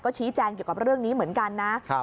ชี้แจงเกี่ยวกับเรื่องนี้เหมือนกันนะ